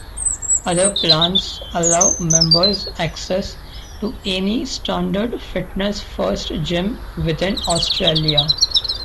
Other plans allow members access to any standard Fitness First gym within Australia.